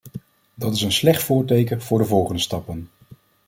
Dat is een slecht voorteken voor de volgende stappen.